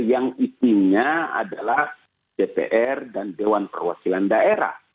yang isinya adalah dpr dan dewan perwakilan daerah